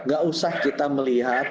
gak usah kita melihat